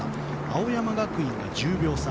青山学院が１０秒差